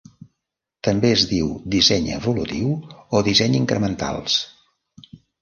També es diu disseny evolutiu o disseny incrementals.